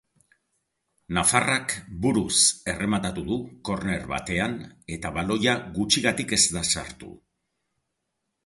Nafarrak buruz errematatu du korner batean, eta baloia gutxigatik ez da sartu.